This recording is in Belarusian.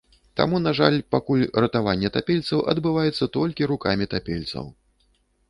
Таму, на жаль, пакуль ратаванне тапельцаў адбываецца толькі рукамі тапельцаў.